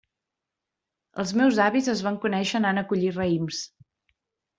Els meus avis es van conèixer anant a collir raïms.